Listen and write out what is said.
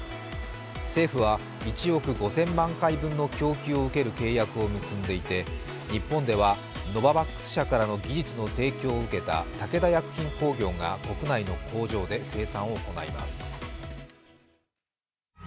政府は１億５０００万回分の供給を受ける契約を結んでいて、日本ではノババックス社からの技術の提供を受けた武田薬品工業が国内の工場で生産を行います。